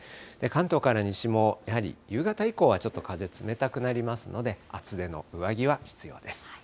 関東から西もやはり夕方以降はちょっと風、冷たくなりますので、厚手の上着は必要です。